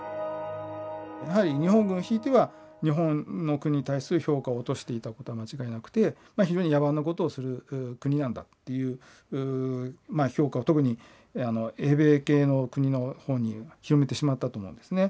やはり日本軍ひいては日本の国に対する評価を落としていたことは間違いなくて非常に野蛮なことをする国なんだっていう評価を特に英米系の国のほうに広めてしまったと思うんですね。